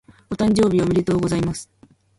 お誕生日おめでとうございます。